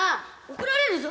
怒られるぞ！